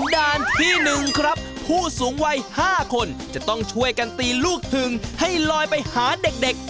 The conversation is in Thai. ด้านที่๑ครับผู้สูงวัย๕คนจะต้องช่วยกันตีลูกถึงให้ลอยไปหาเด็ก